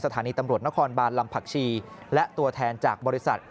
สถานีตำรวจนครบานลำผักชีและตัวแทนจากบริษัท